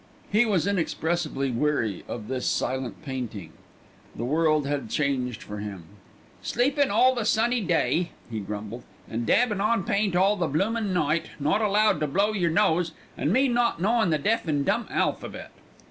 He was inexpressibly weary of this silent painting. The world had changed for him. "Sleepin' all the sunny day," he grumbled, "and dabbin' on paint all the bloomin' night; not allowed to blow yer nose, an' me not knowin' the deaf and dumb alphabet."